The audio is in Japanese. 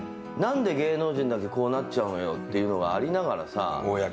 何で芸能人だけこうなっちゃうのよっていうのがありながらさ。